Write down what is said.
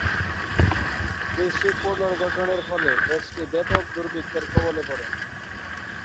কৃষি পুনর্গঠনের ফলে দেশটি ব্যাপক দুর্ভিক্ষের কবলে পড়ে।